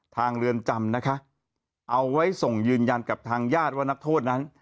เรือนจำนะคะเอาไว้ส่งยืนยันกับทางญาติว่านักโทษนั้น